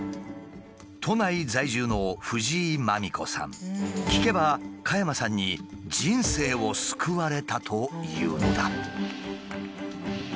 都内在住の聞けば加山さんに人生を救われたというのだ。